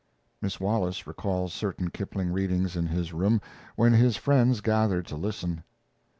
Miss Wallace recalls certain Kipling readings in his room, when his friends gathered to listen.